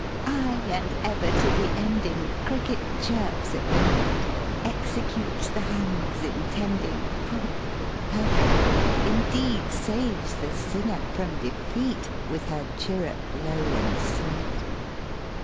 IX Ay and, ever to the ending, Cricket chirps at need, Executes the hands intending, Promptly, perfectly, indeed Saves the singer from defeat With her chirrup low and sweet.